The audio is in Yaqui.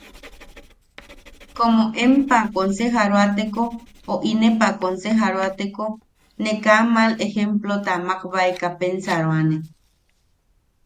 Komo empa konsejaroateko o inepa konsejaroateko, ne kaa mal ejemplota makbaeka pensaroane.